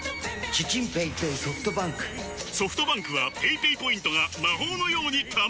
ソフトバンクはペイペイポイントが魔法のように貯まる！